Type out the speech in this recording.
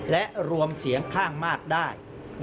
และรวมเสียงข้างมากได้